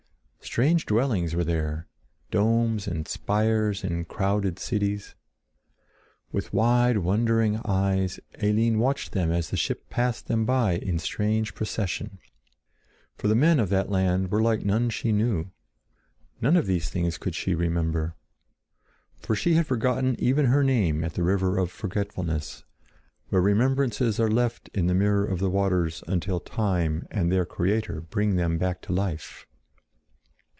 Strange dwellings were there, domes and spires and crowded cities. With wide, wondering eyes Eline watched them as the ship passed them by in strange procession; for the men of that land were like none she knew; none of these things could she remember. For she had forgotten even her name at the river of forgetfulness, where remembrances are left in the mirror of the waters until time and their creator bring them back to life.